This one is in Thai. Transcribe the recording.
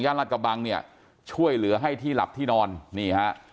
รัฐกระบังเนี่ยช่วยเหลือให้ที่หลับที่นอนนี่ฮะ